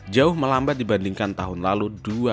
jauh melambat dibandingkan tahun lalu